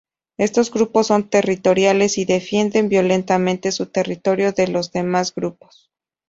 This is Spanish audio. Estos grupos son territoriales y defienden violentamente su territorio de los demás grupos.